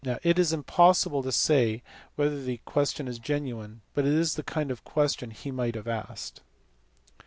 It is impossible to say whether the question is genuine, but it is the kind of question he might have asked.